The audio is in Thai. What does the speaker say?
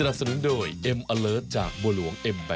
โปรดติดตามตอนต่อไป